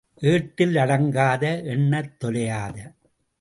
ஏட்டில் அடங்காது, எண்ணத் தொலையாது.